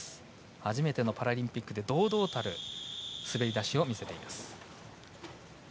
初めてのパラリンピックで堂々たる滑り出しを見せています。